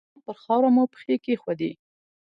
د ایران پر خاوره مو پښې کېښودې.